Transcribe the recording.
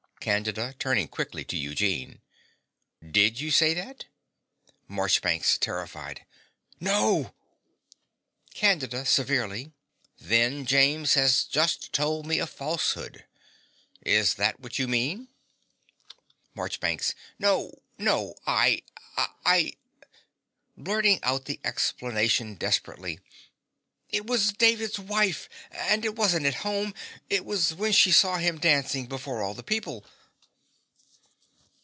CANDIDA (turning quickly on Eugene). Did you say that? MARCHBANKS (terrified). No! CANDIDA (severely). Then James has just told me a falsehood. Is that what you mean? MARCHBANKS. No, no: I I (blurting out the explanation desperately) it was David's wife. And it wasn't at home: it was when she saw him dancing before all the people.